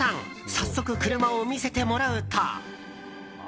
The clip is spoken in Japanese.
早速、車を見せてもらうと。